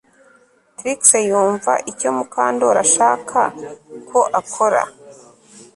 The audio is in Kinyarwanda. Trix yumva icyo Mukandoli ashaka ko akora